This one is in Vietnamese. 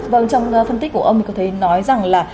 vâng trong phân tích của ông thì có thể nói rằng là